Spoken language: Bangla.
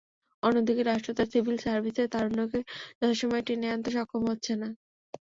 অন্যদিকে রাষ্ট্র তার সিভিল সার্ভিসে তারুণ্যকে যথাসময়ে টেনে আনতে সক্ষম হচ্ছে না।